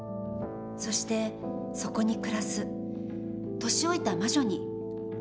そしてそこに暮らす年老いた魔女に保護されました。